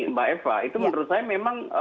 mbak eva itu menurut saya memang